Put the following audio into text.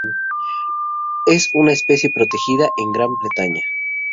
Es una especie protegida en Gran Bretaña.